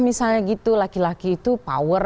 misalnya gitu laki laki itu power